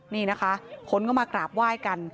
นี่นะคะคนก็มากราบไหว้กัน